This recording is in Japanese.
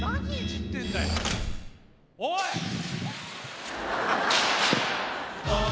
おい！